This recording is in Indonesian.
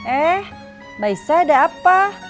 eh baissa ada apa